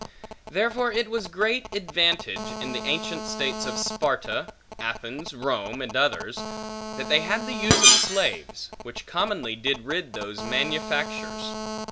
Therefore it was great advantage, in the ancient states of Sparta, Athens, Rome, and others, that they had the use of slaves, which commonly did rid those manufactures.